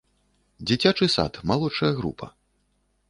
Дзіцячы сад, малодшая група!